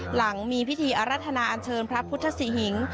หลังมีพิธีอรรถนาอันเชิญพระพุทธศรีหิง